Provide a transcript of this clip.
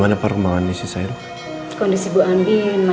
apakah kalian semua tega